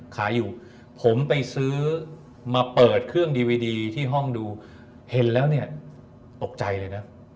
ขายอยู่ผมไปซื้อมาเปิดเครื่องดีวีดีที่ห้องดูเห็นแล้วเนี่ยตกใจเลยนะ